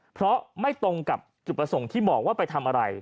เพราะไม่ตรงกับจุดประสงค์ที่บอกว่าไปทำอะไร